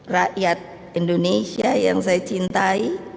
rakyat indonesia yang saya cintai